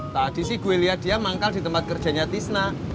tadi sih gue lihat dia manggal di tempat kerjanya tisna